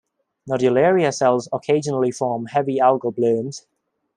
"Nodularia" cells occasionally form heavy algal blooms.